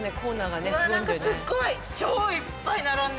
何かすっごい。